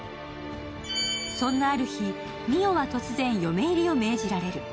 そんなある日、美世は突然、嫁入りを命じられる。